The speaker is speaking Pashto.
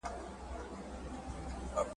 ښکلي او خوږې وې